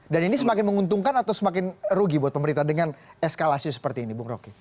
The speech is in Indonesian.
dan ini semakin menguntungkan atau semakin rugi buat pemerintah dengan eskalasi seperti ini bukroke